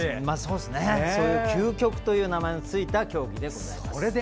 そういう究極という名前のついた競技です。